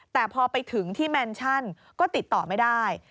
แต่พอไปถึงที่แมนชั่นก็ติดต่อไม่ได้